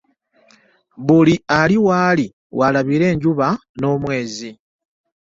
Buli ali w'ali w'alabira enjuba n'omwezi.